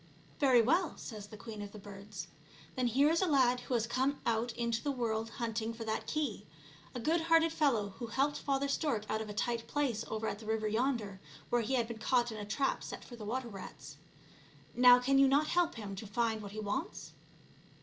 " Very well," says the queen of the birds ;" then here is a lad who has come out into the world hunting for that key, a good hearted fellow who helped Father Stork out of a tight place over at the river yonder, where he had been caught in a trap set for the water rats. Now can you not help him to find what he wants